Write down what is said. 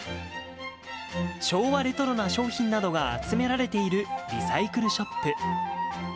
昭和レトロな商品などが集められているリサイクルショップ。